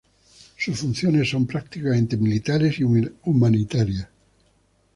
Sus funciones son prácticamente militares y humanitarias.